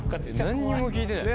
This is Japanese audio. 何にも聞いてない。